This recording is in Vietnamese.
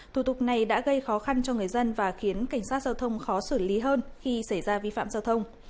thủ tục này đã gây khó khăn cho người dân và khiến cảnh sát giao thông khó xử lý hơn khi xảy ra vi phạm giao thông